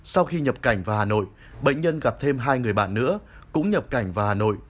sau khi nhập cảnh vào hà nội bệnh nhân gặp thêm hai người bạn nữa cũng nhập cảnh vào hà nội